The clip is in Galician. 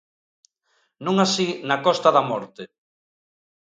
Non así na Costa da Morte.